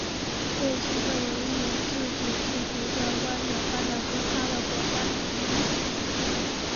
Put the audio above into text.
费希特由一种自给自足的观点发展出他的国家理论。